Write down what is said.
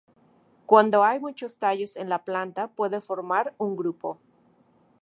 Cuando hay muchos tallos en la planta puede formar un grupo.